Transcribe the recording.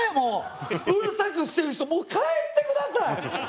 うるさくしてる人もう帰ってください。